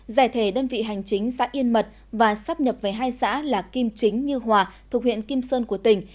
giải thể đơn vị hành chính xã yên mật và sắp nhập về hai xã là kim chính như hòa thuộc huyện kim sơn của tỉnh